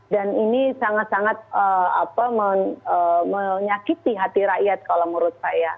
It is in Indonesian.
dan ini sangat sangat menyakiti hati rakyat kalau menurut saya